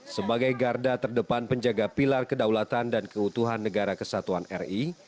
sebagai garda terdepan penjaga pilar kedaulatan dan keutuhan negara kesatuan ri